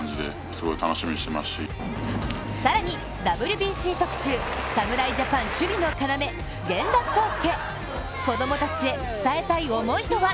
更にＷＢＣ特集侍ジャパン守備の要・源田壮亮。